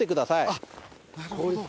あっなるほど。